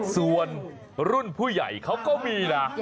ส่วนรุ่นผู้ใหญ่เขาก็มีนะ